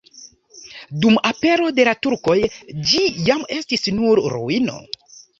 Dum apero de la turkoj ĝi jam estis nur ruino.